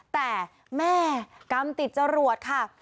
แต่แม่กำติดเจ้ารวดค่ะ